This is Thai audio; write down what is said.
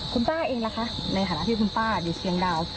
คุณป้าเองล่ะคะในฐานะที่คุณป้าอยู่เชียงดาว